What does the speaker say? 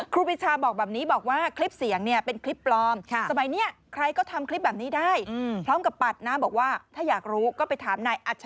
ครูปีชาบอกแบบนี้บอกว่าคลิปเสียงเป็นคลิปปลอม